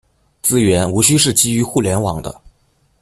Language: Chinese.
资源无需是基于互联网的。